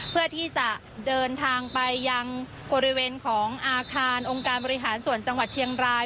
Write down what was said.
เพื่อที่จะเดินทางไปยังบริเวณของอาคารองค์การบริหารส่วนจังหวัดเชียงราย